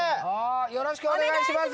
よろしくお願いします